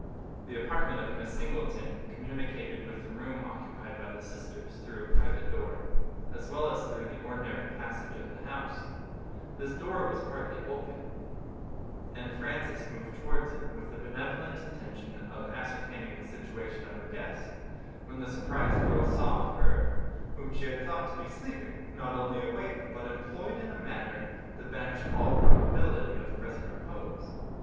The apartment of Miss Singleton communicated with the room occupied by the sisters, through a private door, as well as through the ordinary passage of the house; this door was partly open, and Frances moved towards it, with the benevolent intention of ascertaining the situation of her guest, when the surprised girl saw her whom she had thought to be sleeping, not only awake, but employed in a manner that banished all probability of present repose.